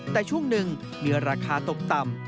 แต่ช่วงหนึ่งมีราคาตกต่ำ